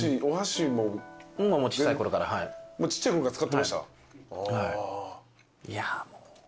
ちっちゃいころから使ってました？